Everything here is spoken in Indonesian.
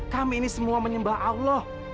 kami ini semua menyembah allah